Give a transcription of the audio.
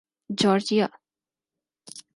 Georgia